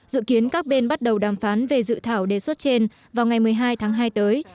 dự kiến các bên bắt đầu đàm phán về dự thảo đề xuất trên vào ngày một mươi hai tháng hai tới